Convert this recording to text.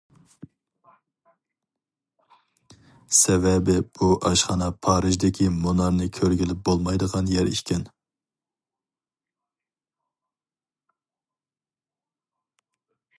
سەۋەبى بۇ ئاشخانا پارىژدىكى مۇنارنى كۆرگىلى بولمايدىغان يەر ئىكەن.